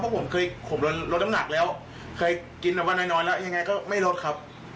เพราะผมเคยข่มลดน้ำหนักแล้วเคยกินแบบว่าน้อยแล้วยังไงก็ไม่ลดครับ